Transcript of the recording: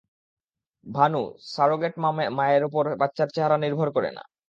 Bhanu, surrogate মায়ের ওপর বাচ্চার চেহারা নির্ভর করে না।